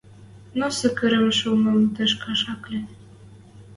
Но сыкырым шулмым тышкаш ак ли